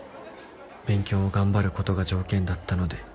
「勉強を頑張ることが条件だったので」